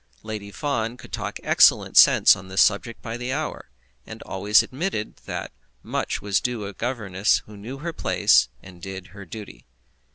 Lady Fawn could talk excellent sense on this subject by the hour, and always admitted that much was due to a governess who knew her place and did her duty.